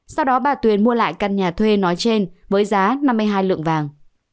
sau đó bà tuyền mua lại căn nhà thuê nói trên với giá năm mươi hai lượng vàng